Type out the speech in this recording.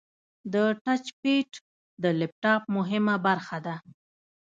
د ټچ پیډ د لپټاپ مهمه برخه ده.